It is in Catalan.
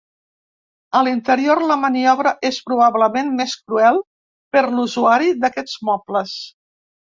A l'interior, la maniobra és probablement més cruel per l'usuari d'aquests mobles.